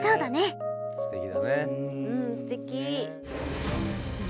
うんすてき。